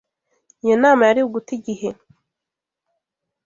Iyo nama yari uguta igihe.